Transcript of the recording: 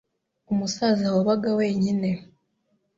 Umusaza yabaga wenyine.